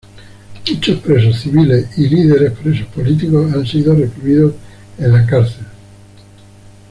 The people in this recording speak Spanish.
Muchos presos civiles y líderes presos políticos han sido recluidos en la cárcel.